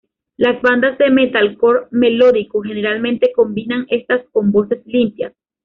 Las bandas de metalcore melódico generalmente combinan estas con voces limpias.